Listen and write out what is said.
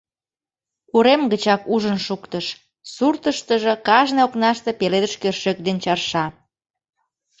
Урем гычак ужын шуктыш: суртыштыжо кажне окнаште пеледыш кӧршӧк ден чарша.